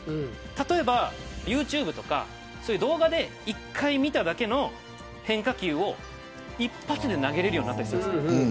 例えばユーチューブとか動画で１回見ただけの変化球を一発で投げられるようになったりする。